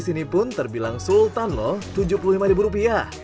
soto ini pun terbilang sultan loh tujuh puluh lima ribu rupiah